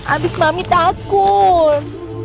abis mami takut